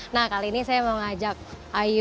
nah kali ini saya mau ngajak ayu